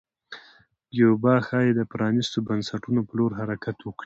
کیوبا ښايي د پرانیستو بنسټونو په لور حرکت وکړي.